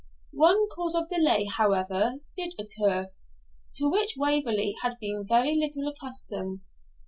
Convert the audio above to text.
One cause of delay, however, did occur, to which Waverley had been very little accustomed.